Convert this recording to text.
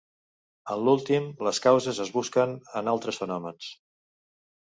En l'últim, les causes es busquen en altres fenòmens.